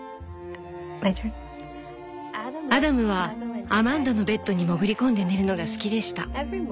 「アダムはアマンダのベッドにもぐり込んで寝るのが好きでした。